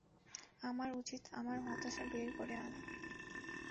আমার উচিত, আমার হতাশা বের করে আনা।